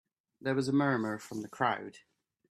There was a murmur from the crowd.